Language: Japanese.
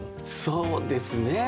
そうですね。